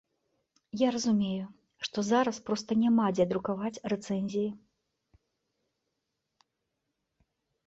Я разумею, што зараз проста няма дзе друкаваць рэцэнзіі.